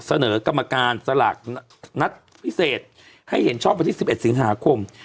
เสนอกรรมการสลากนัดพิเศษให้เห็นชอบวันที่๑๑สิงหาคม